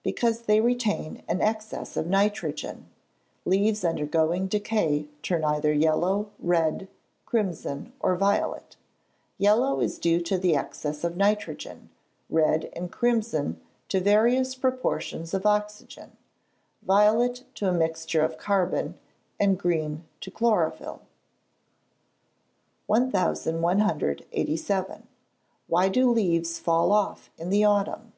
_ Because they retain an excess of nitrogen. Leaves undergoing decay turn either yellow, red, crimson, or violet. Yellow is due to the excess of nitrogen; red and crimson to various proportions of oxygen; violet to a mixture of carbon; and green to chlorophyll. 1187. _Why do leaves fall off in the autumn?